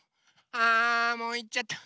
あもういっちゃった。